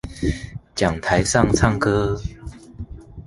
講台上唱歌